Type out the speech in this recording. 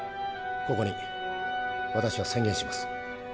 ここに私は宣言します。